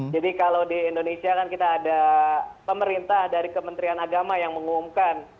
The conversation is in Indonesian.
jadi kalau di indonesia kan kita ada pemerintah dari kementerian agama yang mengumumkan